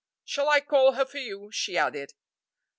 "Shall I call her for you?" she added.